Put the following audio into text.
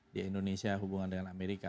di indonesia hubungan dengan amerika